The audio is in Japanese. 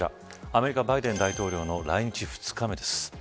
アメリカ、バイデン大統領の来日２日目です。